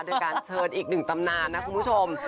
โดยการเชิญอีกหนึ่งตำนานนะคุณผู้ชม